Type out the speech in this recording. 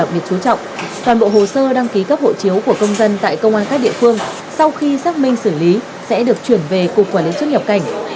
đặc biệt chú trọng toàn bộ hồ sơ đăng ký cấp hộ chiếu của công dân tại công an các địa phương sau khi xác minh xử lý sẽ được chuyển về cục quản lý xuất nhập cảnh